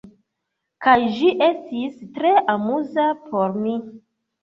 Kaj ĝi estis tre amuza por mi.